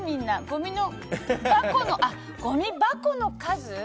ごみ箱の数？